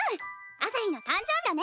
朝陽の誕生日だね！